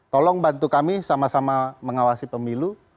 tolong bantu kami sama sama mengawasi pemilu